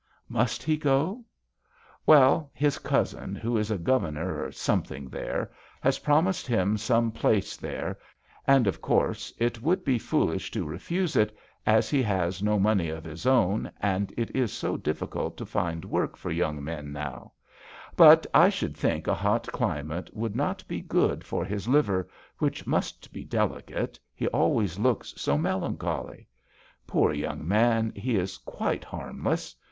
" Must he go ?"Well, his cousin, who is a THE VIOLIN OBBLIGATO. 79 governor or something there, has promised him some place there, and of course it would be foolish to refuse it as he has no money of his own and it is so dffficult to find work for young men now; but I should think a hot climate would not be good for his liver, which must be delicate, he always looks so melancholy. Poor young man ! he is quite harmless.